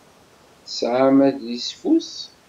Tesɛam adlisfus?